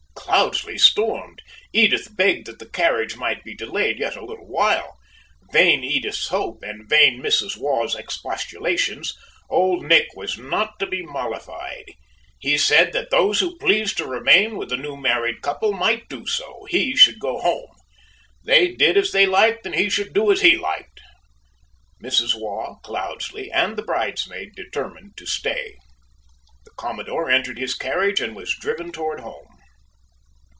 Cloudesley stormed, Edith begged that the carriage might be delayed yet a little while. Vain Edith's hope, and vain Mrs. Waugh's expostulations, Old Nick was not to be mollified. He said that "those who pleased to remain with the new married couple, might do so he should go home! They did as they liked, and he should do as he liked." Mrs. Waugh, Cloudesley, and the bridesmaid determined to stay. The commodore entered his carriage, and was driven toward home.